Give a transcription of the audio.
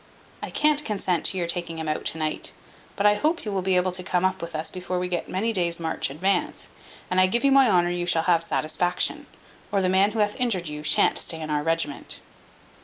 I can't consent to your taking him out tonight; but I hope you will be able to come up with us before we get many days' march advance; and I give you my honour you shall have satisfaction, or the man who hath injured you shan't stay in our regiment."